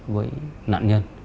với nạn nhân